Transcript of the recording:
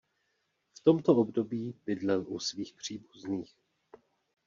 V tomto období bydlel u svých příbuzných.